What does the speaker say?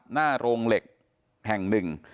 หน้าโรงเหล็กแห่ง๑